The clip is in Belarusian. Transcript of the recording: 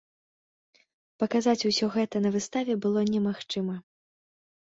Паказаць усё гэта на выставе было немагчыма.